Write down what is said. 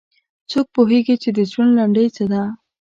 څوک پوهیږي چې د ژوند لنډۍ څه ده